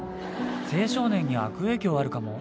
青少年に悪影響あるかも。